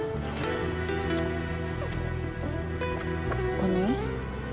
この絵？